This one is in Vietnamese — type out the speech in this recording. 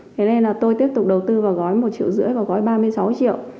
thế nên là tôi tiếp tục đầu tư vào gói một triệu rưỡi và gói ba mươi sáu triệu